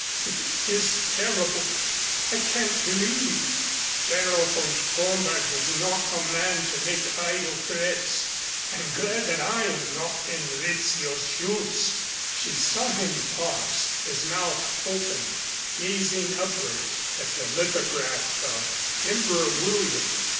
"It is terrible. I can't believe " "General von Stromberg is not a man to make idle threats. I am glad that I am not in Rizzio's shoes." She saw him pause, his mouth open, gazing upward at the lithograph of Emperor William.